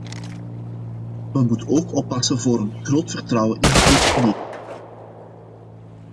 Men moet ook oppassen voor een te groot vertrouwen in de multimedia.